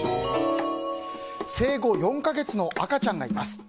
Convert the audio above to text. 生後４か月の赤ちゃんがいます。